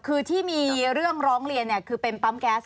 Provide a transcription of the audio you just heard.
คือที่มีเรื่องร้องเรียนคือเป็นปั๊มแก๊ส